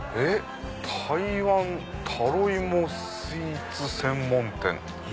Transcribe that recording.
「台湾タロイモスイーツ専門店」。